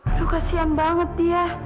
aduh kasihan banget dia